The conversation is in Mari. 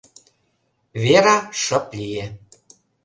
Вера шып лие.